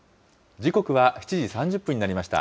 時刻は７時３０分になりました。